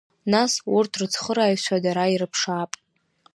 Нас, урҭ рыцхырааҩцәа дара ирыԥшаап.